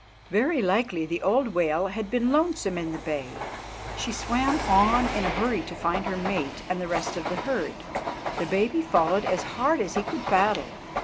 Very likely the old whale had been lonesome in the bay. She swam on in a hurry to find her mate and the rest of the herd. The baby followed as hard as he could paddle.